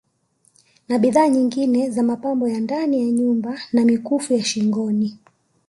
Na bidhaa nyingine za Mapambo ya ndani ya nyumba na mikufu ya Shingoni